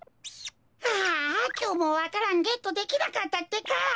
ああきょうもわか蘭ゲットできなかったってか。